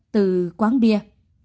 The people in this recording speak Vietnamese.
từ quán bia